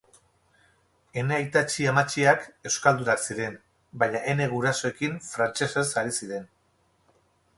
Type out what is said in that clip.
Ene aitatxi-amatxiak euskaldunak ziren baina ene gurasoekin frantsesez ari ziren.